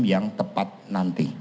yang tepat nanti